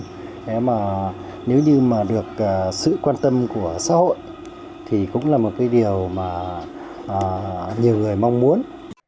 thế mà nếu như mà được sự quan tâm của xã hội thì cũng là một cái điều mà nhiều người mong muốn